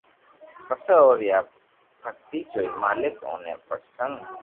پسو اوري آ ڀگتي جوئين مالڪ اوتي پرسن